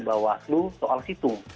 pertanyaan bawah itu soal situ